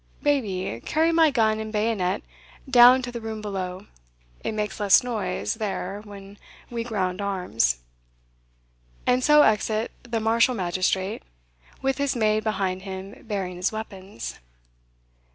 Baby, carry my gun and bayonet down to the room below it makes less noise there when we ground arms." And so exit the martial magistrate, with his maid behind him bearing his weapons.